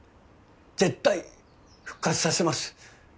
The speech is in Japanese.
絶対復活させます。